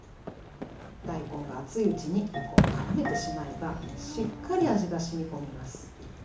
大根が熱いうちにこうからめてしまえばしっかり味がしみ込みます。